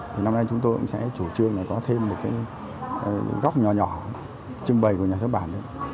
thì năm nay chúng tôi cũng sẽ chủ trương là có thêm một cái góc nhỏ nhỏ trưng bày của nhà xuất bản đấy